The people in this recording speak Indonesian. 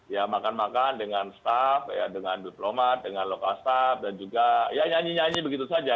ya makan makan dengan staff ya dengan diplomat dengan local staff dan juga ya nyanyi nyanyi begitu saja